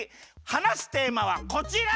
はなすテーマはこちら。